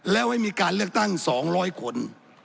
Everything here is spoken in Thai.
แล้วให้มีการเลือกตั้ง๒๐๐คน